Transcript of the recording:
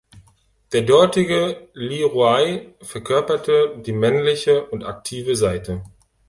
Der dortige Liurai verkörperte die männliche und aktive Seite.